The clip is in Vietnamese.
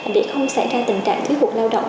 để không xảy ra tình trạng thiếu hụt lao động